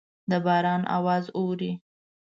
د باران اواز اورئ